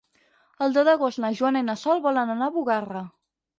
El deu d'agost na Joana i na Sol volen anar a Bugarra.